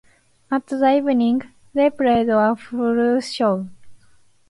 At the evening, they played a full show.